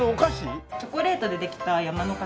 チョコレートでできた山の形の。